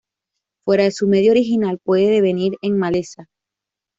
Fuera de su medio original puede devenir en maleza.